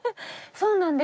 そうなんです。